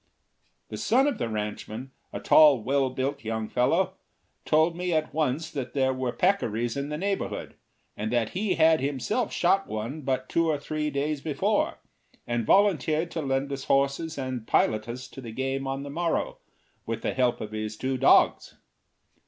The son of the ranchman, a tall, well built young fellow, told me at once that there were peccaries in the neighborhood, and that he had himself shot one but two or three days before, and volunteered to lend us horses and pilot us to the game on the morrow, with the help of his two dogs.